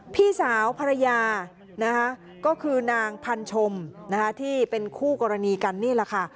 พี่สาวภรรยานะคะก็คือนางพันธมที่เป็นคู่กรณีกันนี่แหละค่ะ